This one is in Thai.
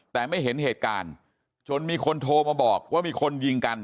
แต่ไม่เห็นเหตุการณ์จนมีคนโทรมาบอกว่ามีคนยิงกัน